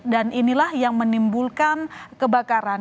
dan inilah yang menimbulkan kebakaran